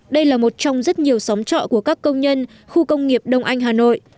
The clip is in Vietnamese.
đây là một trong rất nhiều xóm trọ của các công nhân khu công nghiệp đông anh hà nội